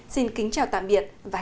xin kính chào tạm biệt và hẹn gặp lại